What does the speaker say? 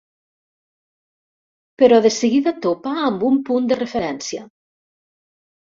Però de seguida topa amb un punt de referència.